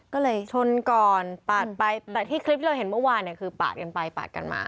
ก็เลยชนก่อนปาดไปแต่ที่คลิปที่เราเห็นเมื่อวานเนี่ยคือปาดกันไปปาดกันมา